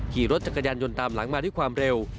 ขี่รถจักรยานยนต์ตามหลังมาด้วยความเร็ว